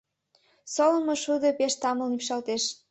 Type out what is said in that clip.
Солымо шудо пеш тамлын ӱпшалтеш.